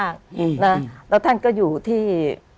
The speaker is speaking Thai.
คุณซูซี่